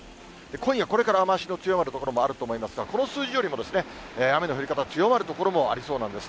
今夜これから雨足の強まる所もあると思いますが、この数字よりも雨の降り方、強まる所もありそうなんです。